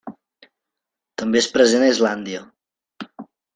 També és present a Islàndia.